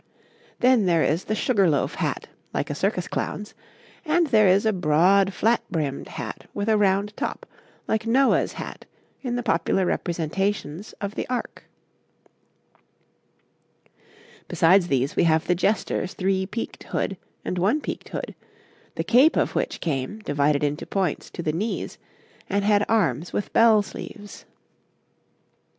Then there is the sugar loaf hat, like a circus clown's, and there is a broad, flat brimmed hat with a round top, like Noah's hat in the popular representations of the Ark. [Illustration: {Two men of the time of Henry VI.}] Besides these, we have the jester's three peaked hood and one peaked hood, the cape of which came, divided into points, to the knees, and had arms with bell sleeves.